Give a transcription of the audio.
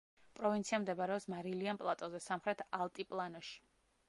პროვინცია მდებარეობს მარილიან პლატოზე, სამხრეთ ალტიპლანოში.